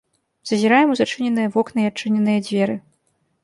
Зазіраем у зачыненыя вокны і адчыненыя дзверы.